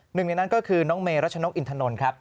หนึ่งในนั้นก็คือน้องเมรัชนกอินทนนท์ครับ